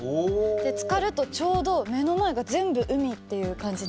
つかるとちょうど目の前が全部海っていう感じになって。